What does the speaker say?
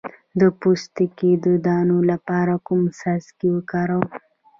د پوستکي د دانو لپاره کوم څاڅکي وکاروم؟